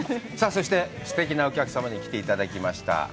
そしてすてきなお客様に来ていただきました。